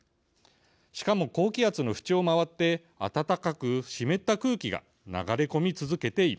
しかも高気圧の縁を回って暖かく湿った空気が流れ込み続けています。